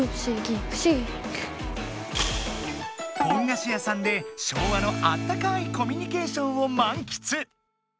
ポン菓子屋さんで昭和のあったかいコミュニケーションをまんきつ！